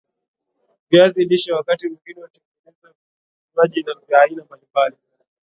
viazi lishe wakati mwingine hutengenezwa vinywaji vya aina mbalimbali